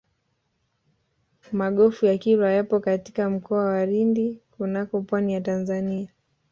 magofu ya kilwa yapo katika mkoa wa lindi kunako pwani ya tanzania